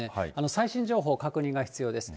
最新情報、確認が必要です。